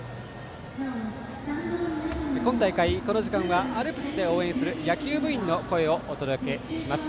今大会、この時間はアルプスで応援する野球部員の声をお届けします。